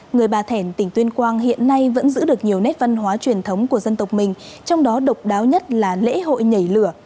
người bà thẻn tỉnh tuyên quang hiện nay vẫn giữ được nhiều nét văn hóa truyền thống của dân tộc mình trong đó độc đáo nhất là lễ hội nhảy lửa